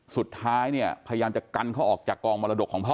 สุดท้ายเนี่ยพยายามจะกันเขาออกจากกองมรดกของพ่อ